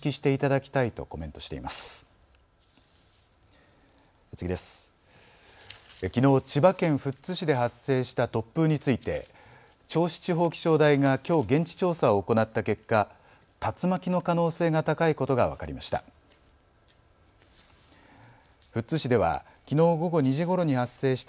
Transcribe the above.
きのう千葉県富津市で発生した突風について銚子地方気象台がきょう現地調査を行った結果、竜巻の可能性が高いことが分かりました。